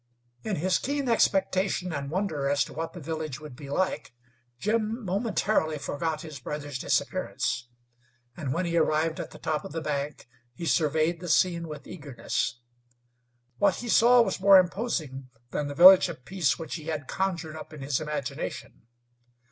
In his keen expectation and wonder as to what the village would be like, Jim momentarily forgot his brother's disappearance, and when he arrived at the top of the bank he surveyed the scene with eagerness. What he saw was more imposing than the Village of Peace which he had conjured up in his imagination.